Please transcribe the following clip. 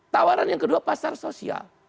tawaran yang kedua pasar sosial